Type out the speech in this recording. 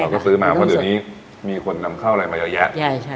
เราก็ซื้อมาพอเดี๋ยวนี้มีคนนำข้าวอะไรมาเยอะแยะใช่ใช่